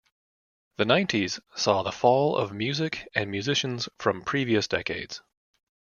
The nineties saw the fall of music and musicians from previous decades.